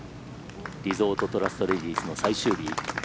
リゾートトラストレディスの最終日。